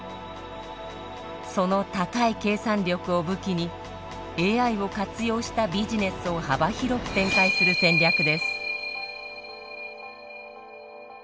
その高い計算力を武器にＡＩを活用したビジネスを幅広く展開する戦略です。